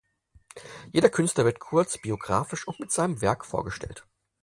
Jeder Künstler wird kurz biographisch und mit seinem Werk vorgestellt.